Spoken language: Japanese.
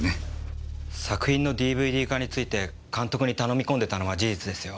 作品のＤＶＤ化について監督に頼み込んでたのは事実ですよ。